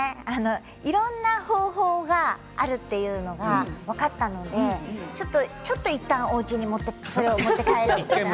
いろんな方法があるというのが分かったのでちょっと、いったんおうちに持って帰って。